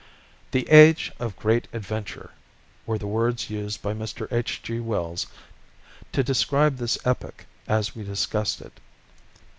"The age of great adventure," were the words used by Mr. H. G. Wells to describe this epoch as we discussed it.